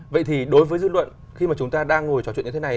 vậy thì đối với dư luận khi mà chúng ta đang ngồi trò chuyện như thế này